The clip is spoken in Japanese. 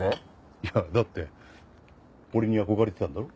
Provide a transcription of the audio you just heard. いやだって俺に憧れてたんだろ？